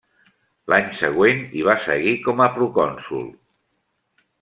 L'any següent hi va seguir com a procònsol.